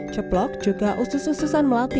ceplok juga usus ususan melati